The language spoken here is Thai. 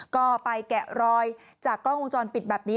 ก็ไปแกะรอยจากกล้องวงจรปิดแบบนี้